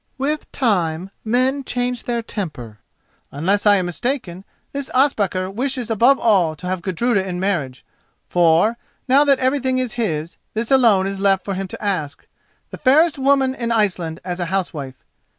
"With time men change their temper. Unless I am mistaken, this Ospakar wishes above all to have Gudruda in marriage, for, now that everything is his, this alone is left for him to ask—the fairest woman in Iceland as a housewife.